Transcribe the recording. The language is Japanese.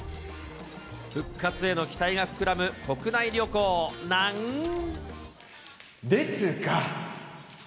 復活への期待が膨らむ国内旅ですが。